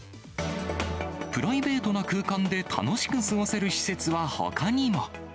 プライベートな空間で楽しく過ごせる施設はほかにも。